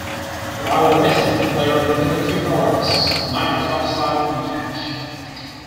While racing, the player can pick up two power-ups: nitrous oxide and cash.